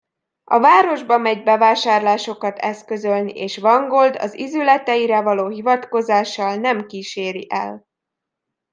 A városba megy bevásárlásokat eszközölni, és Vangold az ízületeire való hivatkozással nem kíséri el.